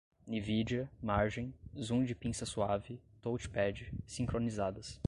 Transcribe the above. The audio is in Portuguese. nvidia, margem, zoom de pinça suave, touchpad, sincronizadas